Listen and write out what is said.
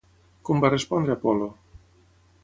Com va respondre Apol·lo?